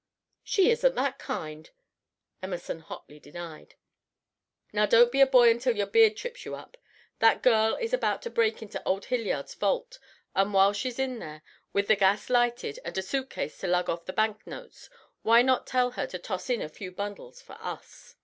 "She isn't that kind," Emerson hotly denied. "Now don't be a boy until your beard trips you up. That girl is about to break into old Hilliard's vault, and while she's in there, with the gas lighted and a suit case to lug off the bank notes, why not tell her to toss in a few bundles for us?"